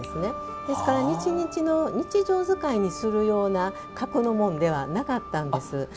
ですから、日日の日常使いにするような格のものではなかったんです。